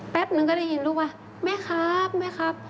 หนึ่งก็ได้ยินลูกว่าแม่ครับแม่ครับ